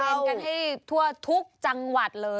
กันให้ทั่วทุกจังหวัดเลย